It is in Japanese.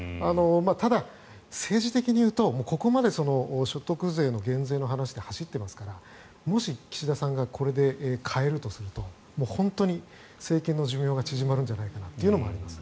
ただ、政治的に言うとここまで所得税の減税の話に走っていますからもし岸田さんがこれで変えるとすると本当に政権の寿命が縮まるんじゃないかなと。